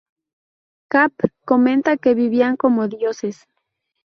Kapp comenta que vivían como dioses.